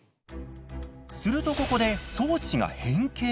するとここで装置が変形。